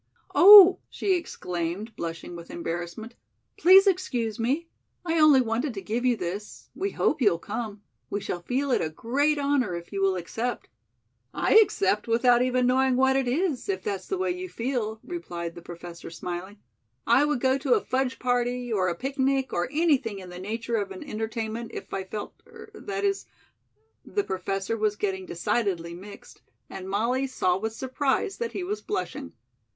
"Oh," she exclaimed, blushing with embarrassment. "Please excuse me. I only wanted to give you this. We hope you'll come. We shall feel it a great honor if you will accept." "I accept without even knowing what it is, if that's the way you feel," replied the Professor, smiling. "I would go to a fudge party or a picnic or anything in the nature of an entertainment, if I felt er that is " the Professor was getting decidedly mixed, and Molly saw with surprise that he was blushing.